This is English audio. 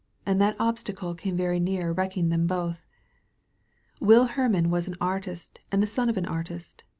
And that Obstacle came very near wrecking them both. Will Hermann was an artist and the son of an artist.